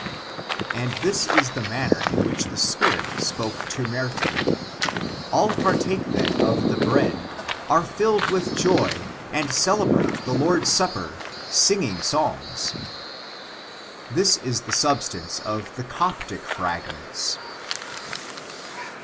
And this is the manner in which the Spirit spoke to Myrte. All partake then of the bread, are filled with joy and celebrate the Lord's Supper, singing psalms. — This is the substance of the Coptic fragments.